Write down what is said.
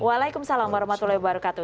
waalaikumsalam warahmatullahi wabarakatuh